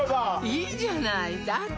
いいじゃないだって